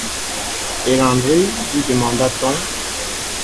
Et Landry ? lui demanda-t-on.